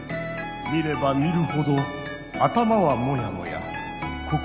見れば見るほど頭はモヤモヤ心もモヤモヤ。